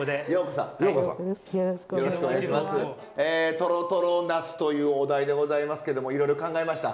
とろとろナスというお題でございますけどもいろいろ考えました？